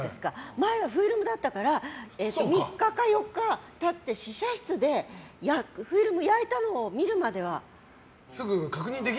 前はフィルムだったから３日か４日経って試写室でフィルムを焼いたのを見るまでは。